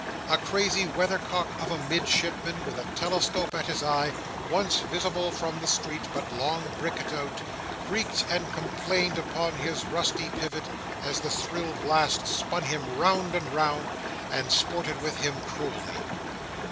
A crazy weathercock of a midshipman, with a telescope at his eye, once visible from the street, but long bricked out, creaked and complained upon his rusty pivot as the shrill blast spun him round and round, and sported with him cruelly.